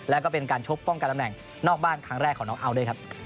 แล้วก็เป็นการชกป้องกันตำแหน่งนอกบ้านครั้งแรกของน้องเอาด้วยครับ